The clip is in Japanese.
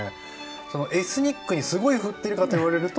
そのエスニックにすごいふってるかと言われると。